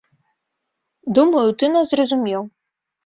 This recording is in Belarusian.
Думаю, ты нас зразумеў.